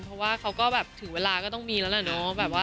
เพราะว่าเขาก็แบบถึงเวลาก็ต้องมีแล้วแหละเนาะ